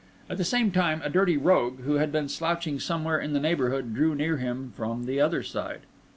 At the same time, a dirty rogue, who had been slouching somewhere in the neighbourhood, drew near him from the other side.